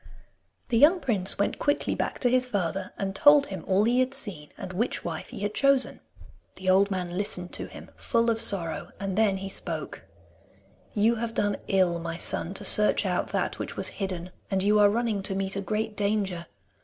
The young prince went quickly back to his father, and told him all he had seen and which wife he had chosen. The old man listened to him full of sorrow, and then he spoke: 'You have done ill, my son, to search out that which was hidden, and you are running to meet a great danger.